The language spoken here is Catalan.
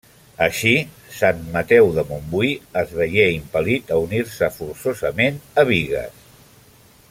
Així, Sant Mateu de Montbui es veié impel·lit a unir-se, forçosament, a Bigues.